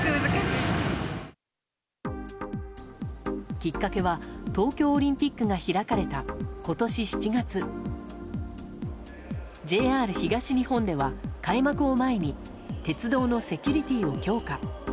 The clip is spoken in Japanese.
きっかけは東京オリンピックが開かれた今年７月、ＪＲ東日本では開幕を前に鉄道のセキュリティーを強化。